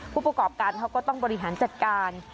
ผู้ประกอบการเขาก็ต้องบริหารจัดการ